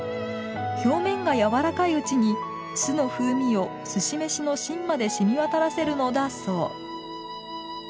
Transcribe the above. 表面がやわらかいうちに酢の風味を寿司飯の芯までしみ渡らせるのだそう